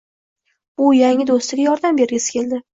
bu yangi do‘stiga yordam bergisi keldi.